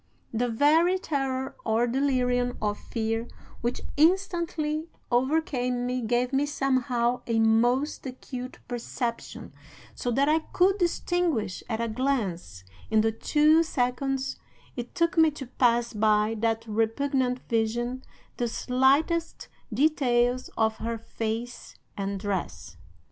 "The very terror or delirium of fear which instantly overcame me gave me somehow a most acute perception, so that I could distinguish at a glance, in the two seconds it took me to pass by that repugnant vision, the slightest details of her face and dress.